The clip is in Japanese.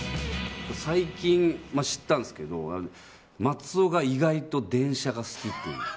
最近知ったんですけど松尾が意外と電車が好きっていう。